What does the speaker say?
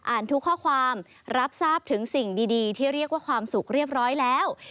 ทุกข้อความรับทราบถึงสิ่งดีที่เรียกว่าความสุขเรียบร้อยแล้ว